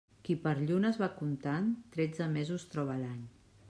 Qui per llunes va comptant, tretze mesos troba a l'any.